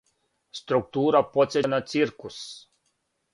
Структура подсећа на циркус.